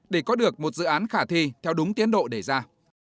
để có được một dự án khả thi theo đúng tiến độ đề ra